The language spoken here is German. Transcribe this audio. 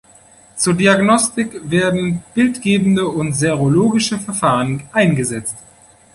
Zur Diagnostik werden bildgebende und serologische Verfahren eingesetzt.